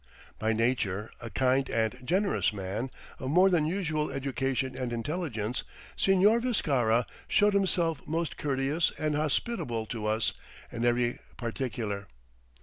By nature a kind and generous man, of more than usual education and intelligence, Señor Viscarra showed himself most courteous and hospitable to us in every particular.